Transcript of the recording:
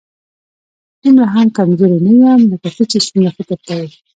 دومره هم کمزوری نه یم، لکه ته چې څومره فکر کوې